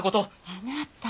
あなた。